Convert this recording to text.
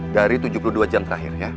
dari tujuh puluh dua jam terakhir ya